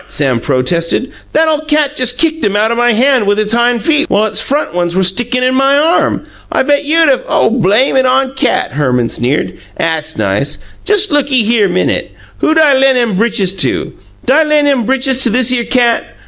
Sam protested. "That ole cat just kicked 'em out o' my hand with its hind feet while its front ones were stickin' in my arm. I bet YOU'D of " "Blame it on cat!" Herman sneered. "'At's nice! Jes' looky here minute: Who'd I len' 'em britches to? D' I len' 'em britches to thishere cat?